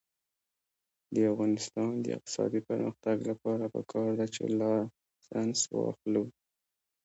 د افغانستان د اقتصادي پرمختګ لپاره پکار ده چې لایسنس واخلو.